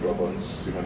berhubungan sama sir